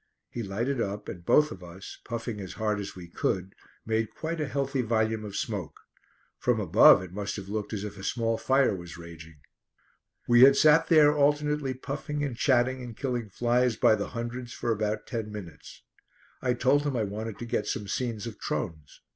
He lighted up and both of us, puffing as hard as we could, made quite a healthy volume of smoke. From above it must have looked as if a small fire was raging. We had sat there alternately puffing and chatting and killing flies by the hundreds for about ten minutes. I told him I wanted to get some scenes of Trones.